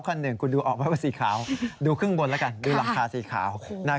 คันหนึ่งคุณดูออกไหมว่าสีขาวดูข้างบนแล้วกันดูหลังคาสีขาว